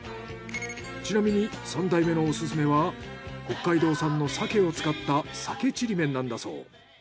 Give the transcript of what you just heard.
ちなみに３代目のオススメは北海道産の鮭を使った鮭ちりめんなんだそう。